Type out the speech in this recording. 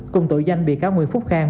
cùng tội danh bị cáo nguyễn phúc khang